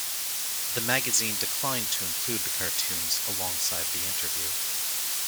The magazine declined to include the cartoons alongside the interview.